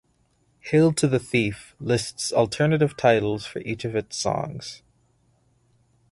"Hail to the Thief" lists alternative titles, for each of its songs.